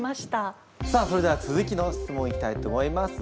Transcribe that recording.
さあそれでは続きの質問いきたいと思います。